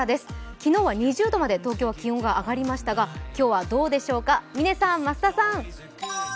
昨日は２０度まで東京は気温が上がりましたが、今日はどうでしょうか、嶺さん、増田さん。